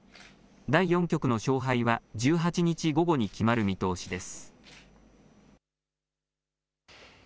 第４局の勝敗は１８日午後に決まる見通しです。